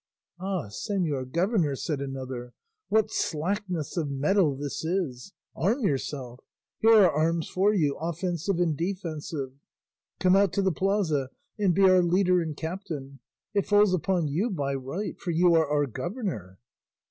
"Ah, señor governor," said another, "what slackness of mettle this is! Arm yourself; here are arms for you, offensive and defensive; come out to the plaza and be our leader and captain; it falls upon you by right, for you are our governor."